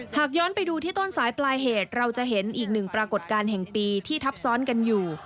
หากย้อนไปดูที่ต้นสายปลายเหตุเราจะเห็นอีกหนึ่งปรากฏการณ์แห่งปีที่ทับซ้อนกันอยู่